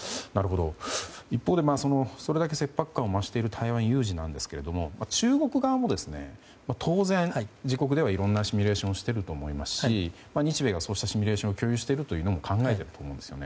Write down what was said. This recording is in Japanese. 一方で、それだけ切迫感を増している台湾有事ですが中国側も当然、自国ではいろんなシミュレーションをしてると思いますし日米がそうしたシミュレーションを共有しているとも考えていると思うんですね。